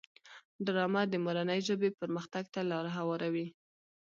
ډرامه د مورنۍ ژبې پرمختګ ته لاره هواروي